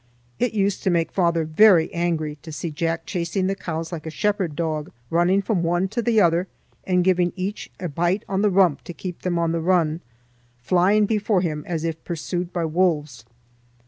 It used to make father very angry to see Jack chasing the cows like a shepherd dog, running from one to the other and giving each a bite on the rump to keep them on the run, flying before him as if pursued by wolves.